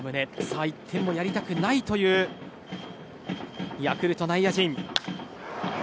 さあ１点もやりたくないというヤクルト内野陣。